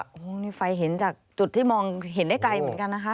โอ้โหนี่ไฟเห็นจากจุดที่มองเห็นได้ไกลเหมือนกันนะคะ